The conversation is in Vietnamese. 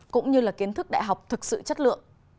cũng như là kiến thức đại học thực sự chất lượng